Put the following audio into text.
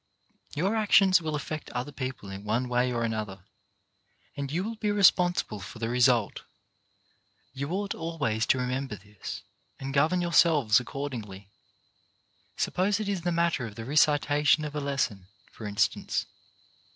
Your actions will affect other people in one way or another, and you will be responsible for the re sult. You ought always to remember this, and govern yourselves accordingly. Suppose it is the matter of the recitation of a lesson, for instance.